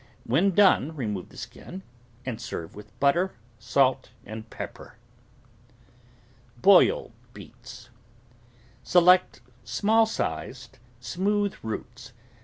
When done, remove the skin and serve with butter, salt, and pepper. BOILED BEETS Select small sized, smooth roots.